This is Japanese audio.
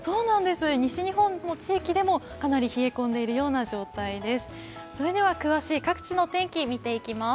西日本の地域でも、かなり冷え込んでいるような状態です。